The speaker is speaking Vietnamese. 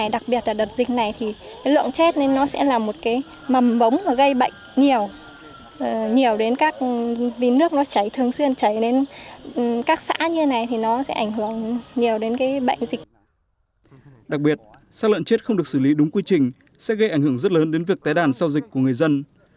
đặc biệt sắc lợn chết không được xử lý đúng quy trình sẽ gây ảnh hưởng rất lớn đến việc tái đàn sau dịch của người dân